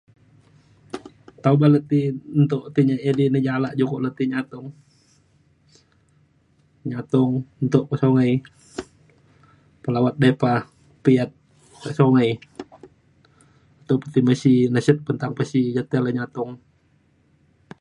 nta oban le ti entuk tai edai ngejala jukuk le tai nyatung nyatung entuk ke songai pelawat depa piat ka sungai tup tai mesi neset pe nta pesi ja tai le nyatung.